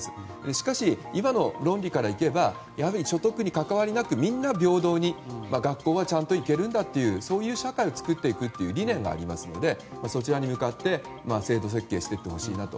しかし今の論理からいけばやはり所得に関わりなくみんな平等に学校はちゃんと行けるんだという社会を作っていくという理念がありますのでそちらに向かって制度設計していってほしいなと。